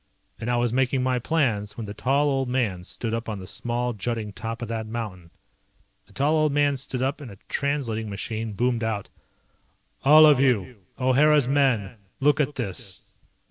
And I was making my plans when the tall old man stood up on the small, jutting top of that mountain. The tall old man stood up and a translating machine boomed out. "All of you! O'Hara's men! Look at this!"